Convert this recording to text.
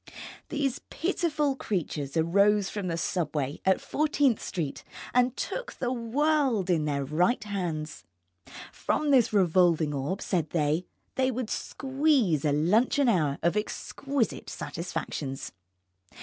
These pitiful creatures arose from the subway at Fourteenth Street and took the world in their right hands. From this revolving orb, said they, they would squeeze a luncheon hour of exquisite satisfactions.